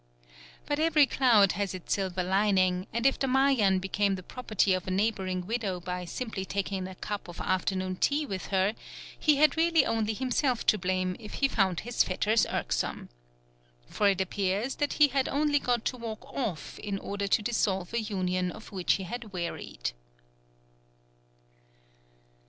But every cloud has its silver lining, and if the Mayan became the property of a neighbouring widow by simply taking a cup of afternoon tea with her, he had really only himself to blame if he found his fetters irksome. For it appears that he had only got to walk off in order to dissolve a union of which he had wearied.